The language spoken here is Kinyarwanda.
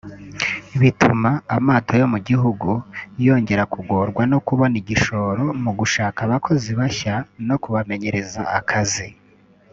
bituma amato yo mu gihugu yongera kugorwa no kubona igishoro mu gushaka abakozi bashya no kubamenyereza akazi